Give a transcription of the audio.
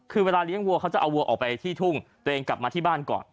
คือเวลาเลี้ยงวัวเขาจะเอาวัวออกไปที่ทุ่งตัวเองกลับมาที่บ้านก่อน